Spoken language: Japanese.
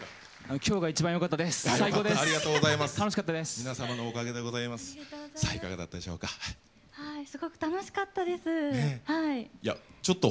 きょうが一番よかったです！